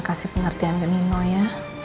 kasih pengertian ke nino ya